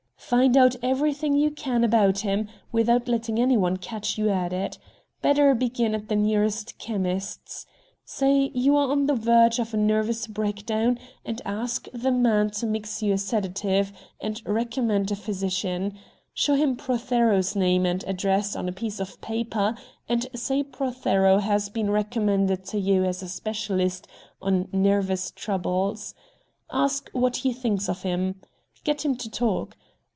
Find out everything you can about him without letting any one catch you at it. Better begin at the nearest chemist's. Say you are on the verge of a nervous breakdown, and ask the man to mix you a sedative, and recommend a physician. Show him Prothero's name and address on a piece of paper, and say Prothero has been recommended to you as a specialist on nervous troubles. Ask what he thinks of him. Get him to talk.